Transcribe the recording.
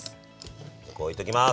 横置いときます。